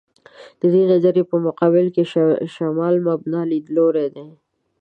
د دې نظر په مقابل کې «شمال مبنا» لیدلوری دی.